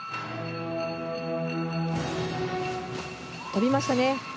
飛びましたね。